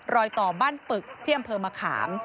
รอยต่อบ้านปึกที่อำเภอมะขาม